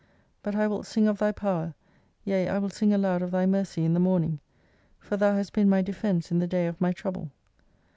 But I will sing of Thy power, yea I will sing aloud of Thy mercy in the morning. For Thou hast been my defence in the day of my trouble.